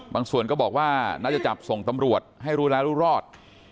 บางส่วนก็บอกว่าน่าจะจับส่งตำรวจให้รู้รอด